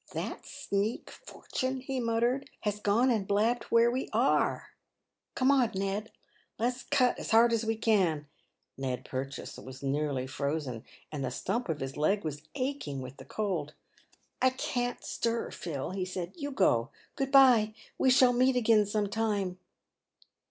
" That sneak, Fortune !" he muttered ;" he has gone and blabbed where we are. Come on, Ned ; let's cut as hard as we can." Ned Purchase was nearly frozen, and the stump of his leg was aching with the cold. " I can't stir, Phil," he said. "You go ! Grood by ! We shall meet again some time."